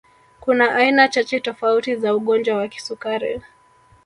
Kuna aina chache tofauti za ugonjwa wa kisukari